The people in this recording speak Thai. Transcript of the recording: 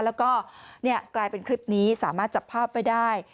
แล้วก็กลายเป็นคลิปนี้สามารถจับภาพไว้ได้